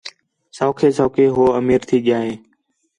سَوکھے سَوکھے ہو امیر تھی ڳِیا ہِے